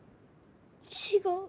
違う。